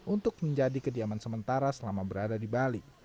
untuk menjadi kediaman sementara selama berada di bali